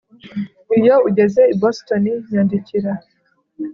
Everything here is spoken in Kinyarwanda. Iyo ugeze i Boston nyandikira